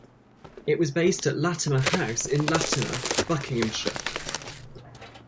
It was based at Latimer House in Latimer, Buckinghamshire.